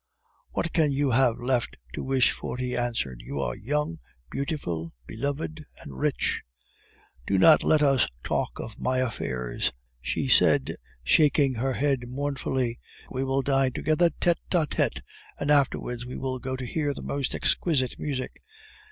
"What can you have left to wish for?" he answered. "You are young, beautiful, beloved, and rich." "Do not let us talk of my affairs," she said shaking her head mournfully. "We will dine together tete a tete, and afterwards we will go to hear the most exquisite music.